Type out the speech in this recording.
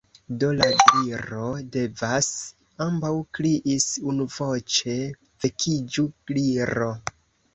"Do, la Gliro devas," ambaŭ kriis unuvoĉe. "Vekiĝu, Gliro!"